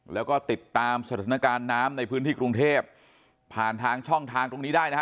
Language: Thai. แล้วก็ติดตามสถานการณ์น้ำในพื้นที่กรุงเทพผ่านทางช่องทางตรงนี้ได้นะฮะ